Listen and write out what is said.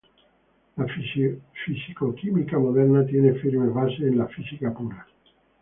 La fisicoquímica moderna tiene firmes bases en la física pura.